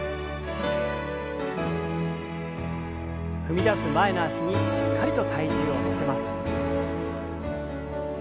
踏み出す前の脚にしっかりと体重を乗せます。